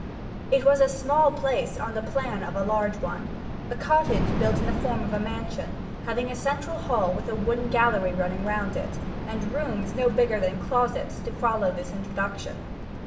It was a small place on the plan of a large one a cottage built in the form of a mansion, having a central hall with a wooden gallery running round it, and rooms no bigger than closets to follow this introduction.